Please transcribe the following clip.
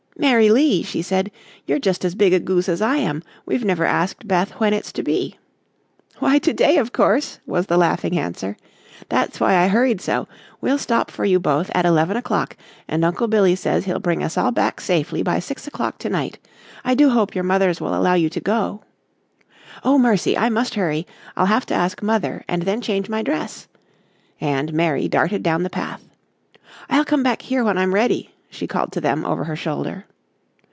"Mary Lee," she said, "you're just as big a goose as I am. We've never asked Beth when it's to be." "Why, to day, of course," was the laughing answer; "that's why I hurried so. We'll stop for you both at eleven o'clock, and Uncle Billy says he'll bring us all back safely by six o'clock to night. I do hope your mothers will allow you to go." "Oh, mercy! I must hurry. I'll have to ask Mother, and then change my dress," and Mary darted down the path. "I'll come back here when I'm ready," she called to them over her shoulder.